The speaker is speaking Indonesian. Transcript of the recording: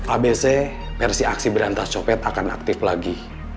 abc versi aksi berantas copet akan aktif lagi